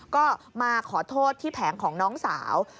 ก็มาขอโทษที่แผงของน้องสาว